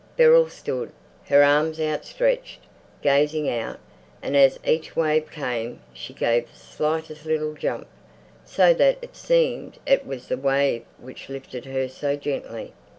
Beryl stood, her arms outstretched, gazing out, and as each wave came she gave the slightest little jump, so that it seemed it was the wave which lifted her so gently.